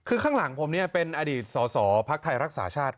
คือข้างหลังผมเนี่ยเป็นอดีตสสพทรักษาชาติ